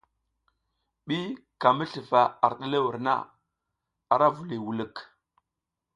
Ɓi ka mi slufa ar ɗerewel na, ara vuliy wulik.